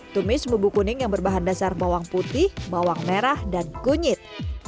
tumis bubuk kuning yang berbahan dasar bawang putih bawang merah dan kunyit